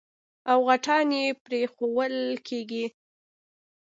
او غټان يې پرېښوول کېږي.